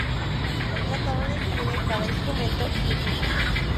El tratado describe cada instrumento y sus usos.